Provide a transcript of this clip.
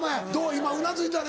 今うなずいてたね